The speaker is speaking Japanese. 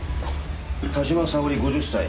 田島沙織５０歳。